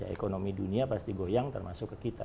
ekonomi dunia pasti goyang termasuk ke kita